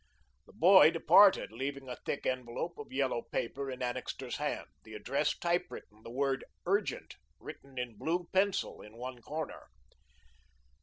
The boy departed, leaving a thick envelope of yellow paper in Annixter's hands, the address typewritten, the word "Urgent" written in blue pencil in one corner.